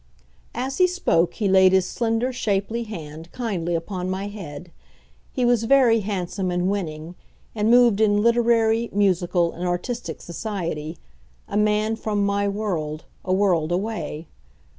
As he spoke he laid his slender shapely hand kindly upon my head. He was very handsome and winning, and moved in literary, musical, and artistic society a man from my world, a world away.